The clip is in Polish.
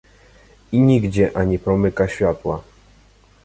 "I nigdzie ani promyka światła."